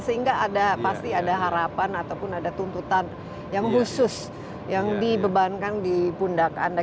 sehingga pasti ada harapan ataupun ada tuntutan yang khusus yang dibebankan di pundak anda